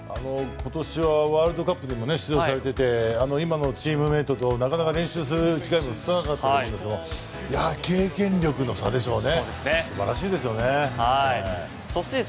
今年はワールドカップも開催されて今のチームメイトとなかなか練習する機会も少なかったんですけど経験の差でしょうね。